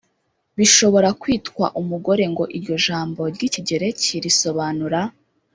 bishobora kwitwa umugore ngo iryo jambo ry’ikigereki risobanura